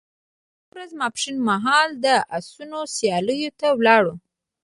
یوه ورځ ماپښین مهال د اسونو سیالیو ته ولاړو.